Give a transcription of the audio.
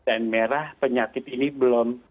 dan merah penyakit ini belum